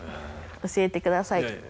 教えてください。